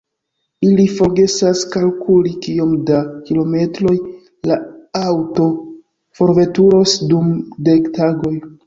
Ili forgesas kalkuli kiom da kilometroj la aŭto forveturos dum dek tagoj.